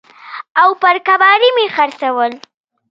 او پر کباړي مې خرڅول.